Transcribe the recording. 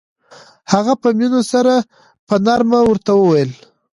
هغه په مينه سره په نرمۍ ورته وويل.